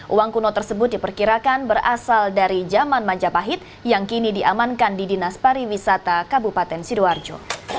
uang kuno tersebut diperkirakan berasal dari zaman majapahit yang kini diamankan di dinas pariwisata kabupaten sidoarjo